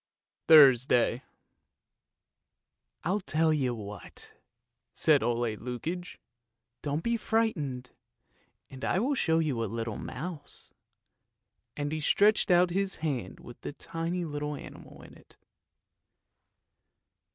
THURSDAY " I'll tell you what! " said Ole Lukoie; " don't be frightened, and I will show you a little mouse." And he stretched out his hand with the tiny little animal in it.